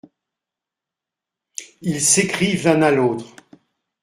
Ils s’écrivent l’un à l’autre.